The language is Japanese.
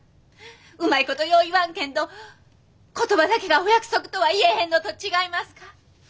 うまいことよう言わんけんど言葉だけがお約束とは言えへんのと違いますか？